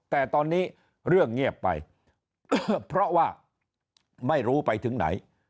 แต่ตอนนี้เรื่องเงียบไปก็เพราะว่าไม่รู้ไปถึงไหน